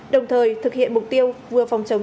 đồng thời thực hiện mục tiêu vừa phòng chống